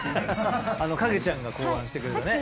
影ちゃんが考案してくれたね。